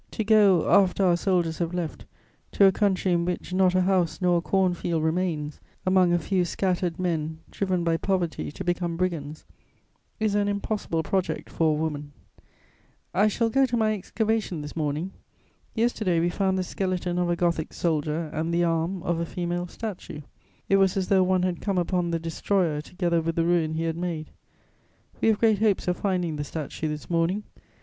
To go, after our soldiers have left, to a country in which not a house nor a corn field remains, among a few scattered men, driven by poverty to become brigands, is an impossible project for a woman. [Sidenote: My excavations.] "I shall go to my excavation this morning: yesterday we found the skeleton of a Gothic soldier and the arm of a female statue. It was as though one had come upon the destroyer together with the ruin he had made; we have great hopes of finding the statue this morning.